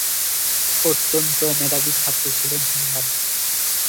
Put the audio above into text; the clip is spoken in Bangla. অত্যন্ত মেধাবী ছাত্র ছিলেন হীরালাল।